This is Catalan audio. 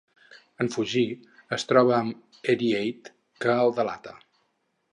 En fugir, es troba amb Henriette, que el delata.